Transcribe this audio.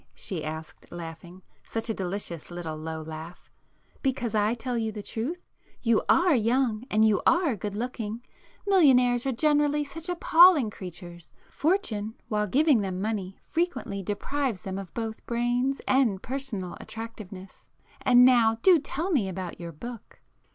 she asked laughing,—such a delicious little low laugh—"Because I tell you the truth? You are young and you are good looking! Millionaires are generally such appalling creatures. Fortune, while giving them money, frequently deprives them of both brains and personal attractiveness. And now do tell me about your book!"